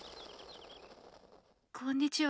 こんにちは。